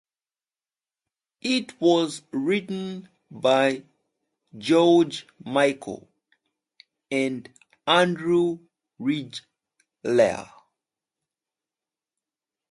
It was written by George Michael and Andrew Ridgeley.